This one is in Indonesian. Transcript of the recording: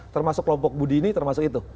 termasuk kelompok budi ini termasuk itu